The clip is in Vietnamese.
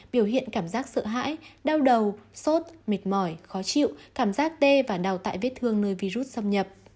biểu hiện cảm giác sợ hãi đau đầu sốt mệt mỏi khó chịu cảm giác tê và đào tạo vết thương nơi virus xâm nhập